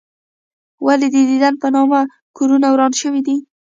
ولې د دین په نامه کورونه وران شوي دي؟